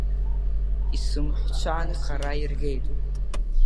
Исымхцәан хара иргеит…